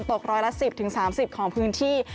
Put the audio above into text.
ตกร้อยละ๑๐๓๐ของพื้นที่